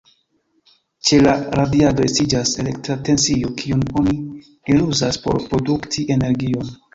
Ĉe la radiado, estiĝas elektra tensio, kiun oni eluzas por produkti energion.